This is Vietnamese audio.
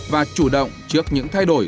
và chủ động trước những thay đổi